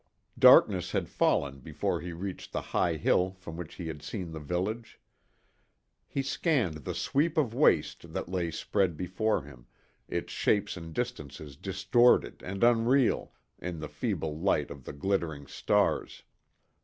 Darkness had fallen before he reached the high hill from which he had seen the village. He scanned the sweep of waste that lay spread before him, its shapes and distances distorted and unreal in the feeble light of the glittering stars.